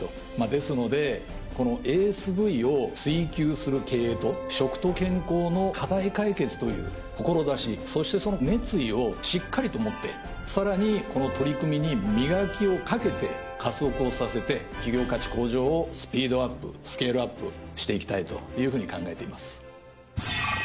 ですのでこのＡＳＶを追求する経営と食と健康の課題解決という志そしてその熱意をしっかりと持ってさらにこの取り組みに磨きをかけて加速をさせて企業価値向上をスピードアップスケールアップしていきたいというふうに考えています。